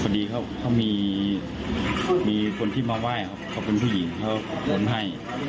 พอดีเขามีคนที่มาไหว้เขาเป็นผู้หญิงเขาโอนให้